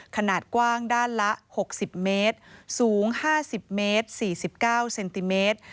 ขนาดกว้างด้านละ๖๐เมตรสูง๕๐เมตร๔๙เซนติเมตร